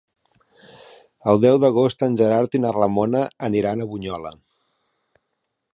El deu d'agost en Gerard i na Ramona aniran a Bunyola.